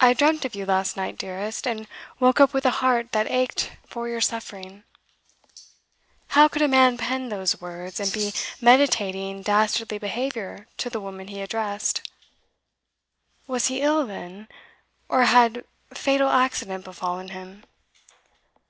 'I dreamt of you last night, dearest, and woke up with a heart that ached for your suffering.' How could a man pen those words, and be meditating dastardly behaviour to the woman he addressed? Was he ill, then? or had fatal accident befallen him?